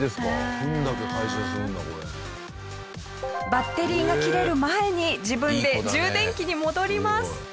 バッテリーが切れる前に自分で充電器に戻ります。